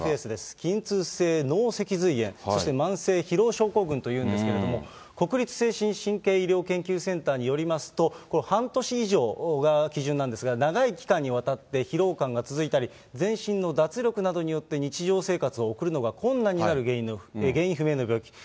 筋痛性脳脊髄炎、そして慢性疲労症候群というんですけれども、国立精神・神経医療研究センターによりますと、これ、半年以上が基準なんですが、長い期間にわたって疲労感が続いたり、続いうえに、全身の脱力などによって、日常生活を送るのが困難による原因不明の病気。